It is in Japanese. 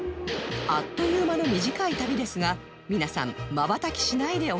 あっという間の短い旅ですが皆さんまばたきしないでお楽しみください